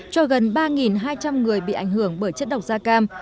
cho gần ba hai trăm linh người bị ảnh hưởng bởi chất độc da cam